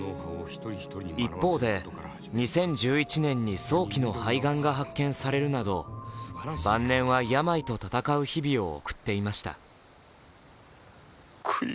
一方で、２０１１年に早期の肺がんが発見されるなど晩年は病と闘う日々を送っていました。